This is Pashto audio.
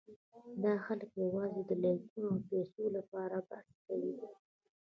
دا خلک یواځې د لایکونو او پېسو لپاره بحث کوي.